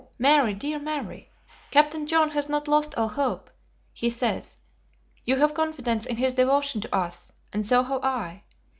Mary, dear Mary, Captain John has not lost all hope, he says. You have confidence in his devotion to us, and so have I.